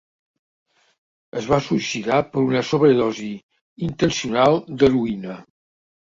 Es va suïcidar per una sobredosi intencional d'heroïna.